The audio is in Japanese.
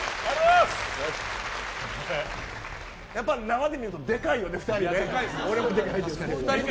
やっぱ生で見るとでかいよね、２人ね。